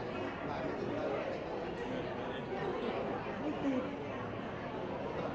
ก็จริงมันก็เป็นตัวตัวนะ